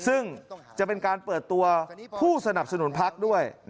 ซึ่งจะเป็นการเปิดตัวผู้สนับสนุนพักด้วย